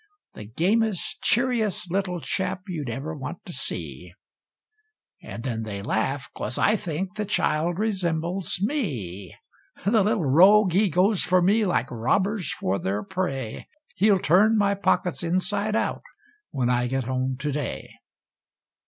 The gamest, cheeriest little chap, you'd ever want to see! And then they laugh, because I think the child resembles me. The little rogue! he goes for me, like robbers for their prey; He'll turn my pockets inside out, when I get home to day.